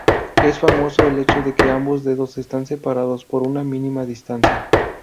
Es famoso el hecho de que ambos dedos están separados por una mínima distancia.